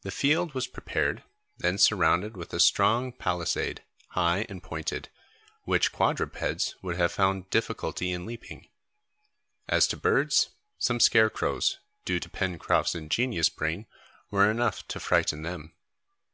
The field was prepared, then surrounded with a strong palisade, high and pointed, which quadrupeds would have found difficulty in leaping. As to birds, some scarecrows, due to Pencroft's ingenious brain, were enough to frighten them.